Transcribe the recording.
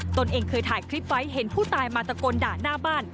ตนเองเคยถ่ายคลิปไว้เห็นผู้ตายมาตะโกนด่าหน้าบ้าน